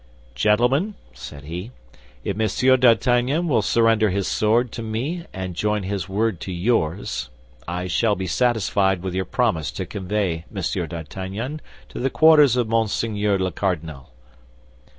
"Gentlemen," said he, "if Monsieur d'Artagnan will surrender his sword to me and join his word to yours, I shall be satisfied with your promise to convey Monsieur d'Artagnan to the quarters of Monseigneur the Cardinal."